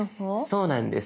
そうなんです。